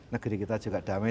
negeri kita juga damai